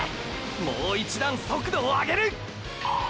もう一段速度をあげる！！ーー！！